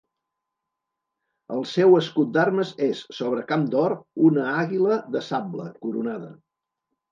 El seu escut d'armes és, sobre camp d'or, una àguila de sable, coronada.